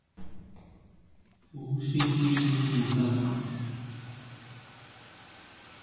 福興第一停車場